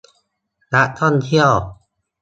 นักท่องเที่ยว